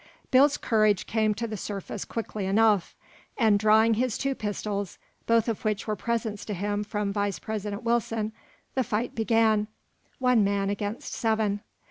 Bill's courage came to the surface quickly enough, and drawing his two pistols both of which were presents to him from Vice President Wilson the fight began, one man against seven.